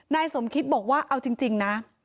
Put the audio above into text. นายสมคิตบอกว่าเอาจริงนะ